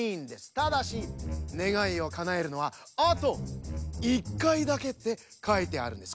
ただしねがいをかなえるのはあと１かいだけってかいてあるんです。